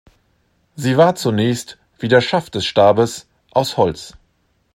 Sie war zunächst, wie der Schaft des Stabes, aus Holz.